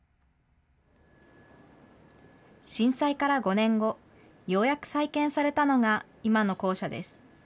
震災から５年後、ようやく再建されたのが今の校舎です。